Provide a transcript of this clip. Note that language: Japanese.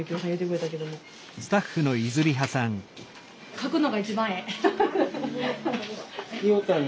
書くのが一番ええ。